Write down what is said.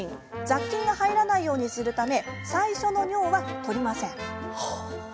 雑菌が入らないようにするため最初の尿は採りません。